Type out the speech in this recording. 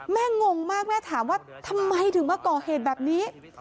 งงมากแม่ถามว่าทำไมถึงมาก่อเหตุแบบนี้